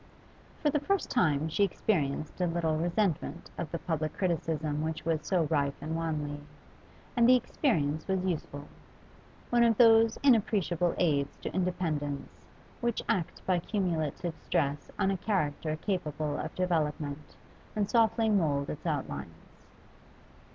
For the first time she experienced a little resentment of the public criticism which was so rife in Wanley, and the experience was useful one of those inappreciable aids to independence which act by cumulative stress on a character capable of development and softly mould its outlines.